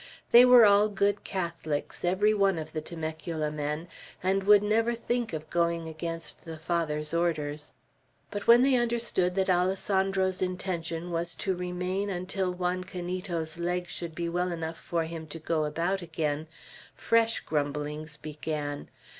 They were all good Catholics, every one of the Temecula men, and would never think of going against the Father's orders. But when they understood that Alessandro's intention was to remain until Juan Canito's leg should be well enough for him to go about again, fresh grumblings began.